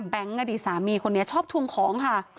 อดีตสามีคนนี้ชอบทวงของค่ะ